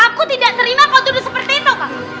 aku tidak terima kau tuduh seperti itu